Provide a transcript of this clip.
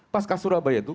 pasca surabaya itu